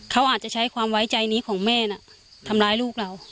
เขาอาจจะใช้ความไว้ใจนี้ของแม่น่ะทำร้ายลูกเรา